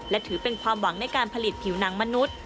และถือเป็นความหวังในการผลิตผิวหนังมนุษย์